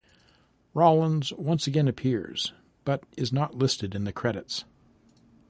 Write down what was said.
Rollins once again appears but is not listed in the credits.